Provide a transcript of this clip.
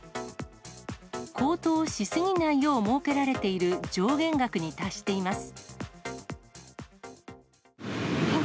高騰し過ぎないよう設けられている上限額に達しています。